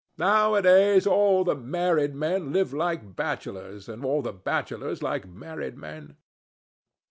Nowadays all the married men live like bachelors, and all the bachelors like married men."